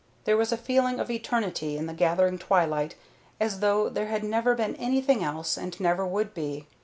There was a feeling of eternity in the gathering twilight as though there had never been anything else and never would be.